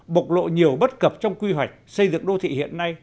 bộc lộ nhiều bất cập trong quy hoạch xây dựng đô thị hiện nay